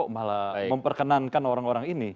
memperkenankan orang orang ini